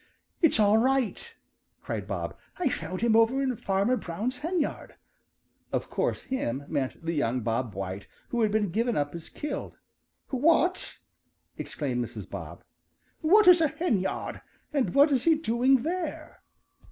"It's all right!" cried Bob. "I found him over in Fanner Brown's henyard." Of course "him" meant the young Bob White who had been given up as killed. "What?" exclaimed Mrs. Bob. "What is a henyard, and what is he doing there?"